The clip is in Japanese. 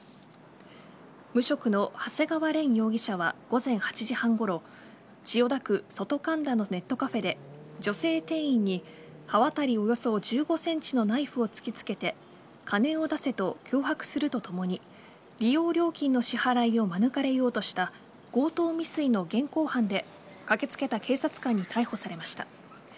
無職の長谷川廉容疑者は午前８時半ごろ千代田区外神田のネットカフェで女性店員に刃渡りおよそ１５ｃｍのナイフを突きつけて金を出せと脅迫するとともに利用料金の支払いを免れようとした強盗未遂の現行犯で駆けつけた警察官に逮捕されました。